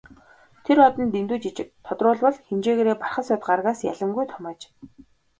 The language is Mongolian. Тэр од нь дэндүү жижиг, тодруулбал хэмжээгээрээ Бархасбадь гаригаас ялимгүй том аж.